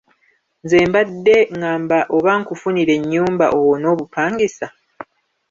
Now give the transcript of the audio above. Nze mbadde ngamba oba nkufunire ennyumba owone obupangisa?